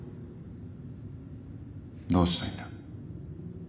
どうしたいんだ？